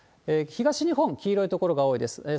東日本、黄色い所が多いです。